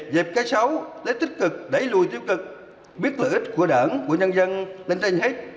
dẹp cái xấu lấy tích cực đẩy lùi tiêu cực biết lợi ích của đảng của nhân dân nên tranh hết